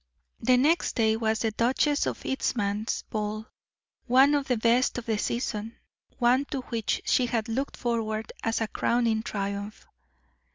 The next day was the Duchess of Eastham's ball, one of the best of the season one to which she had looked forward as a crowning triumph.